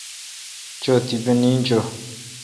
چو تیپہ نیند چو۔